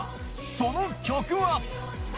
その曲は？